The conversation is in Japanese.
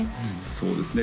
そうですね